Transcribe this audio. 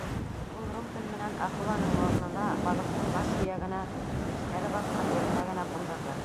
Ул румпель менән акуланың моронона, балыҡтың баш һөйәгенә тештәре батҡан еренә генә ҡундырҙы.